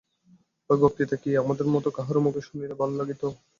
ঐ বক্তৃতা কি আমাদের মতো কাহারো মুখে শুনিলে ভালো লাগিত?